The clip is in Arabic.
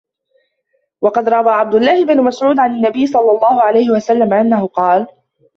وَقَدْ رَوَى عَبْدُ اللَّهِ بْنُ مَسْعُودٍ عَنْ النَّبِيِّ صَلَّى اللَّهُ عَلَيْهِ وَسَلَّمَ أَنَّهُ قَالَ